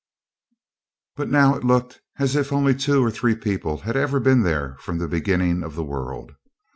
But now it looked as if only two or three people had ever been there from the beginning of the world.